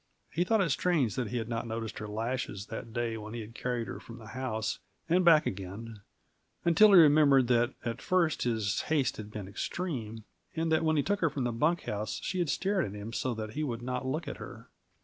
He thought it strange that he had not noticed her lashes that day when he carried her from the house and back again until he remembered that at first his haste had been extreme, and that when he took her from the bunk house she had stared at him so that he would not look at her.